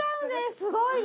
すごいね。